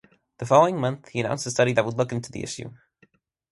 The following month, he announced a study that would look into the issue.